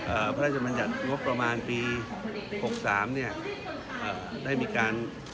พระราชบัญญัติงบประมาณปีหกสามเนี้ยอ่าได้มีการ